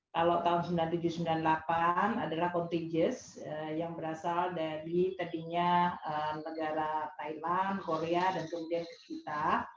kalau tahun seribu sembilan ratus sembilan puluh delapan adalah contagious yang berasal dari tadinya negara thailand korea dan kemudian ke kita